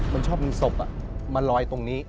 มันชอบมีศพอ่ะมันลอยตรงนี้